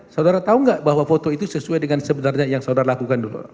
saudara tahu nggak bahwa foto itu sesuai dengan sebenarnya yang saudara lakukan dulu